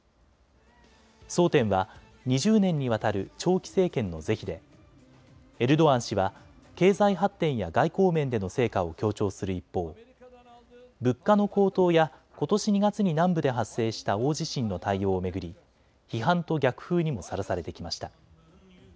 争点は２０年にわたる長期政権の是非でエルドアン氏は経済発展や外交面での成果を強調する一方、物価の高騰やことし２月に南部で発生した大地震の対応を巡り批判と逆風にもさらされてきました。